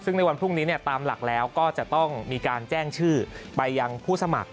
ซึ่งในวันพรุ่งนี้ตามหลักแล้วก็จะต้องมีการแจ้งชื่อไปยังผู้สมัคร